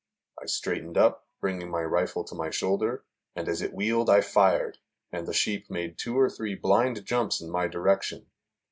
I straightened up, bringing my rifle to my shoulder, and as it wheeled I fired, and the sheep made two or three blind jumps in my direction.